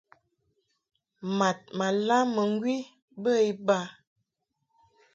Mad ma lam mɨŋgwi bə iba.